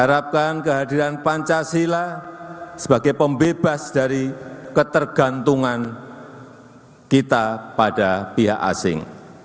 harapkan kehadiran pancasila sebagai pembebas dari ketergantungan kita pada pihak asing